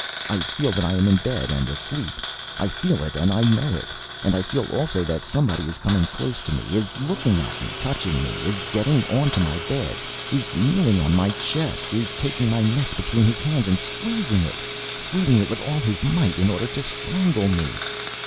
I feel that I am in bed and asleep I feel it and I know it and I feel also that somebody is coming close to me, is looking at me, touching me, is getting on to my bed, is kneeling on my chest, is taking my neck between his hands and squeezing it squeezing it with all his might in order to strangle me.